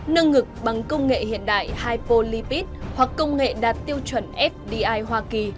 nâng ngực bằng công nghệ hiện đại hypolipid hoặc công nghệ đạt tiêu chuẩn fdi hoa kỳ